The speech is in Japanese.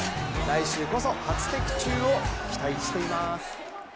来週こそ、初的中を期待しています。